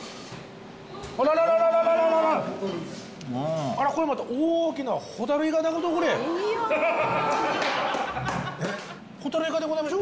あららららららあらこれまたホタルイカでございましょ？